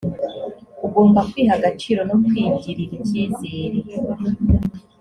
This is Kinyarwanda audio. ugomba kwiha agaciro no kwigirira icyizere